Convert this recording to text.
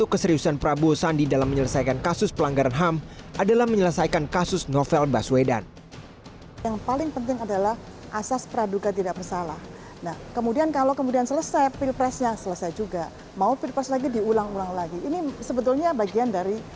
kedua pasangan calon presiden dan wakil presiden